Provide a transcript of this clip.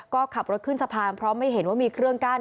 ก็ขับรถขึ้นสะพานเพราะไม่เห็นว่ามีเครื่องกั้น